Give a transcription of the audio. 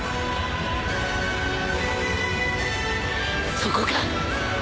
そこか！